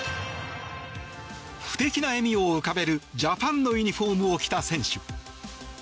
不敵な笑みを浮かべるジャパンのユニホームを着た選手。